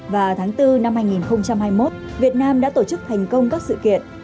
và tháng bốn năm hai nghìn hai mươi một việt nam đã tổ chức thành công các sự kiện